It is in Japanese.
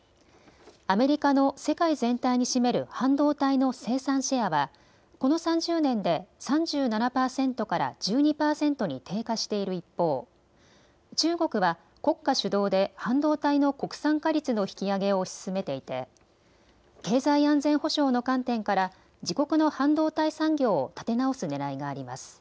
アメリカの世界全体に占める半導体の生産シェアはこの３０年で３７％から１２％に低下している一方中国は国家主導で半導体の国産化率の引き上げを推し進めていて経済安全保障の観点から自国の半導体産業を立て直すねらいがあります。